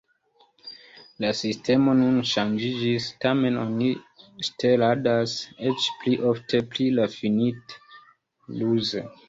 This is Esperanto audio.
La sistemo nun ŝanĝiĝis, tamen oni ŝteladas eĉ pli ofte, pli rafinite, ruze.